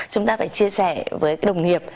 chúng ta phải chia sẻ với đồng nghiệp